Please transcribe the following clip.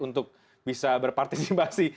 untuk bisa berpartisipasi